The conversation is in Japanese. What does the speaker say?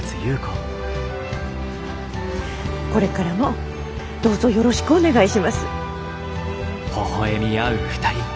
これからもどうぞよろしくお願いします。